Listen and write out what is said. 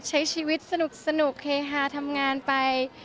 ใช้ชีวิตสนุกเฮฮาทำงานไป